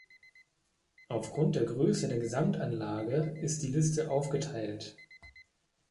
Aufgrund der Größe der Gesamtanlage ist die Liste aufgeteilt.